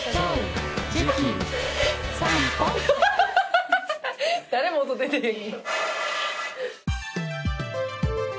アハハハ誰も音出てへん。